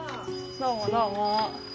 どうもどうも。